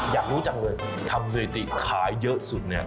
อยากรู้จังเลยทำสถิติขายเยอะสุดเนี่ย